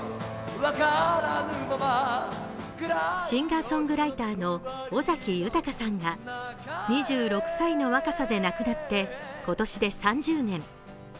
シンガーソングライターの尾崎豊さんが２６歳の若さで亡くなって今年で３０年。